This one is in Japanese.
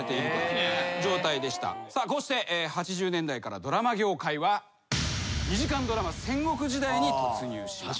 こうして８０年代からドラマ業界は２時間ドラマ戦国時代に突入します。